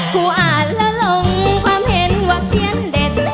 อ่านแล้วลงความเห็นว่าเขียนเด็ด